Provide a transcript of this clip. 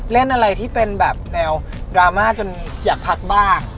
เล่นอะไรที่เป็นแบบแนวดราม่าจนอยากพักบ้าง